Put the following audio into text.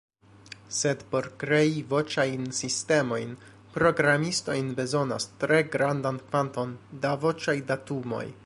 Sed por krei voĉajn sistemojn, programistoj bezonas tre grandan kvanton da voĉaj datumoj.